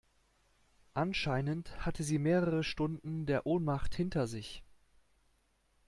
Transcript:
Anscheinend hatte sie mehrere Stunden der Ohnmacht hinter sich.